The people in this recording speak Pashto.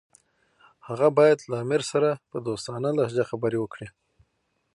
هغه باید له امیر سره په دوستانه لهجه خبرې وکړي.